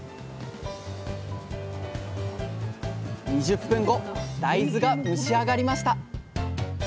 ２０分後大豆が蒸し上がりました